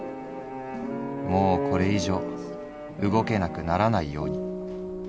もうこれ以上動けなくならないように」。